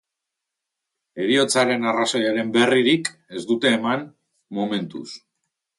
Heriotzaren arrazoiaren berririk ez dute eman momentuz.